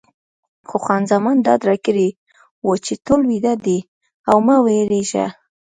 خو خان زمان ډاډ راکړی و چې ټول ویده دي او مه وېرېږه.